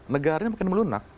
negaranya makin melunak